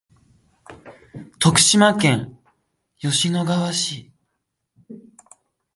徳島県吉野川市